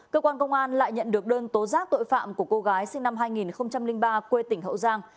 cơ quan công an lại nhận được đơn tố giác tội phạm của cô gái sinh năm hai nghìn ba quê tỉnh hậu giang